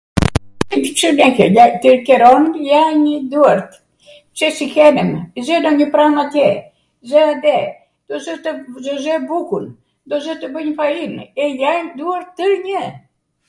e di pse lahej, twr qeron ljani duart, pse s'i hedhwm, zwre njw pram atje, zw ande, do zw tw, do ze bukwn, do zw tw bwnj fainw, ljan duart twrnjw.